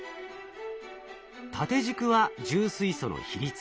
縦軸は重水素の比率。